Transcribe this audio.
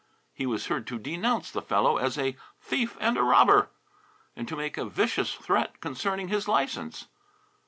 He was heard to denounce the fellow as "a thief and a robber!" and to make a vicious threat concerning his license.